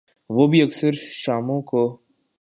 وہ بھی اکثر شاموں کو۔